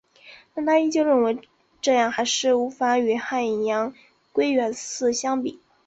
但她依旧认为这样还是无法与汉阳归元寺相比。